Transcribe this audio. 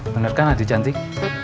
bener kan adik cantik